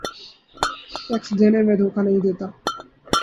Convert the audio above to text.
tax دینے میں دھوکہ نہیں دیتا